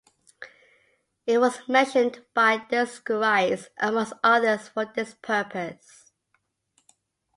It was mentioned by Dioscorides, amongst others, for this purpose.